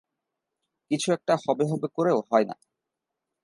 কিছু একটা হবে হবে করেও হয়না।